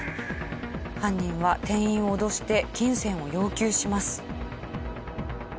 犯人は店員を脅して金銭を要求します。